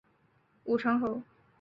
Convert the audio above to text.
武城侯。